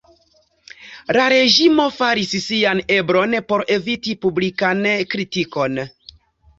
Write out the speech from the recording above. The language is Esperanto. La reĝimo faris sian eblon por eviti publikan kritikon.